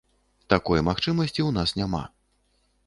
Такой магчымасці ў нас няма.